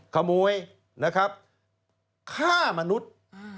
ขโมยนะครับฆ่ามนุษย์